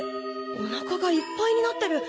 おなかがいっぱいになってる！